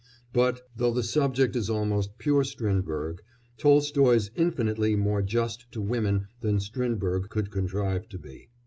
But, though the subject is almost pure Strindberg, Tolstoy is infinitely more just to women than Strindberg could contrive to be.